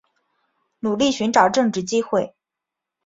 努力寻找正职机会